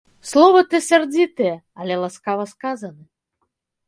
Словы то сярдзітыя, але ласкава сказаны.